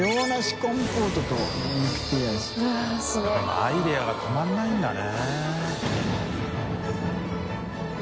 僂アイデアが止まらないんだね。